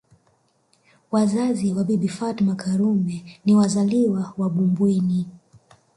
Wazazi wa Bibi Fatma Karume ni wazaliwa wa Bumbwini